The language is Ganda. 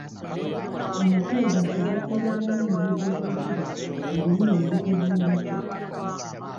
Amakubo gaffe gaseerera nnyo mu budde bw'enkuba ebirime ne bituvundako.